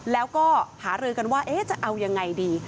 แล้วก็หารือกันว่าจะเอายังไงดี